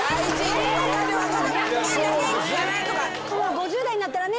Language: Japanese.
５０代になったらね。